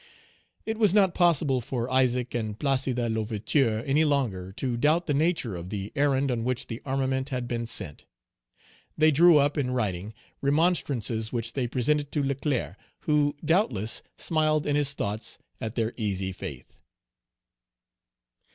It was not possible for Isaac and Placide L'Ouverture any longer to doubt the nature of the errand on which the armament had been sent. They drew up, in writing, remonstrances which they presented to Leclerc, who, doubtless, smiled in his thoughts at their easy faith.